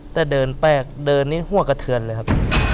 แต่เดินแปลกเดินนี่หัวกระเทือนเลยครับ